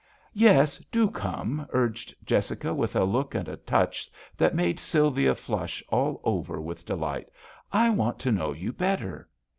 "Yes, do come," urged Jessica, with a look and a touch that made Sylvia flush all over with delight ;" I want to know you better."